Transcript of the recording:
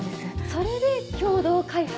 それで共同開発。